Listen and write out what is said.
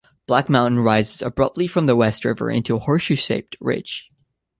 Black Mountain rises abruptly from the West River into a horseshoe-shaped ridge.